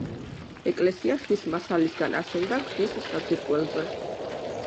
ეკლესია ხის მასალისგან აშენდა ქვის საძირკველზე.